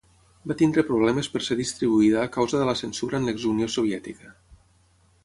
Va tenir problemes per ser distribuïda a causa de la censura en l'ex-Unió Soviètica.